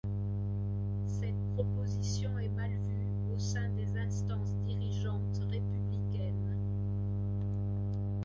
Cette proposition est mal vue au sein des instances dirigeantes républicaines.